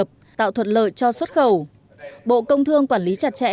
mà đã bước đến